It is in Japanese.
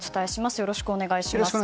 よろしくお願いします。